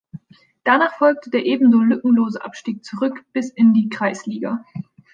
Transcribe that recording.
Danach folgte der ebenso lückenlose Abstieg zurück bis in die Kreisliga.